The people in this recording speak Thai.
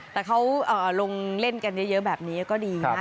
แต่เขาลงเล่นกันเยอะแบบนี้ก็ดีนะ